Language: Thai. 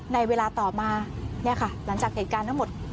ในเวลาต่อมาเนี่ยค่ะหลังจากเหตุการณ์ทั้งหมด